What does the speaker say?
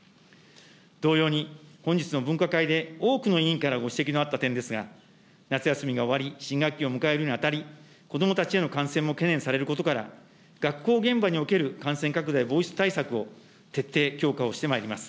同様に、本日の分科会で、多くの委員からご指摘のあった点ですが、夏休みが終わり、新学期を迎えるにあたり、子どもたちへの感染も懸念されることから、学校現場における感染拡大防止対策を徹底、強化をしてまいります。